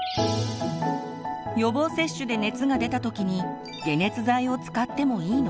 予防接種で熱が出たときに解熱剤を使ってもいいの？